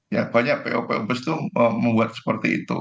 ya banyak popo bus itu membuat seperti itu